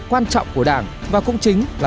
quan trọng của đảng và cũng chính là